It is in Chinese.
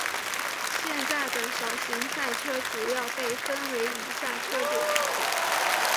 现在的小型赛车主要被分为以下车种。